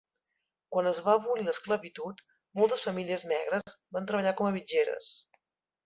Quan es va abolir l'esclavitud, moltes famílies negres van treballar com a mitgeres.